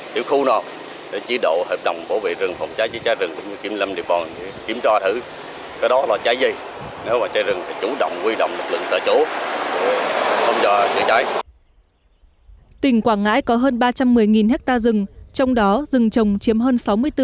tỉnh quảng ngãi có hơn ba trăm một mươi ha rừng trong đó rừng trồng chiếm hơn sáu mươi bốn